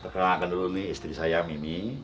pak terkenalkan dulu nih istri saya mimi